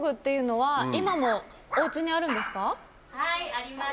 はいあります。